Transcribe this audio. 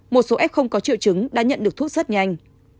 một số f không có triệu chứng đã nhận được thuốc rất nhanh